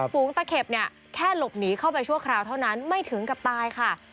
ฝูงตะเข็บเนี่ยแค่หลบหนีเข้าไปชั่วคราวเท่านั้นไม่ถึงกับตายค่ะ